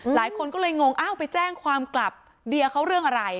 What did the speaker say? หลายคนก็เลยงงอ้าวไปแจ้งความกลับเดียเขาเรื่องอะไร